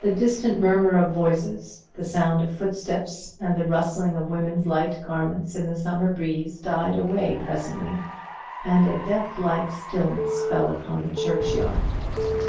The distant murmur of voices, the sound of footsteps, and the rustling of women's light garments in the summer breeze died away presently, and a death like stillness fell upon the churchyard.